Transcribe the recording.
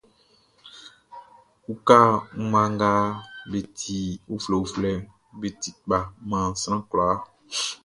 Uwka mma nga be ti uflɛuflɛʼn, be ti kpa man sran kwlaa.